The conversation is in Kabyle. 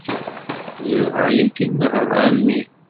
Zedɣeɣ yakan ɣur εemmi.